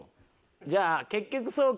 じゃあ結局そうか。